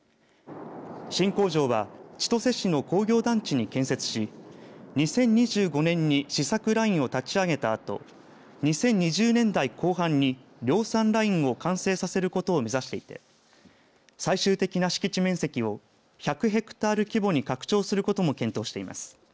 新工場は千歳市の工業団地に建設し２０２５年に試作ラインを立ち上げたあと２０２０年代後半に量産ラインを完成させることを目指していて最終的な敷地面積を１００ヘクタール規模に拡張することも検討しています。